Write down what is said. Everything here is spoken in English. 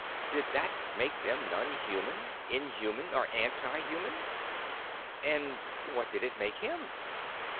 Did that make them non human, inhuman, anti human? And what did it make him?